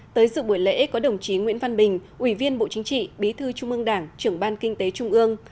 tới sự buổi lễ có đồng chí nguyễn văn bình ủy viên bộ chính trị bí thư trung ương đảng trưởng ban kinh tế trung ương